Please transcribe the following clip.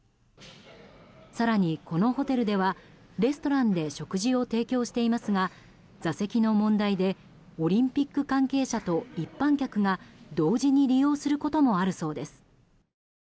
更に、このホテルではレストランで食事を提供していますが座席の問題でオリンピック関係者と一般客が同時に利用することもあるそうです。